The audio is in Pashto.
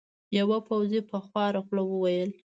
یوه پوځي په خواره خوله وویل.